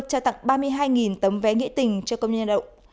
trao tặng ba mươi hai tấm vé nghĩa tình cho công nhân lao động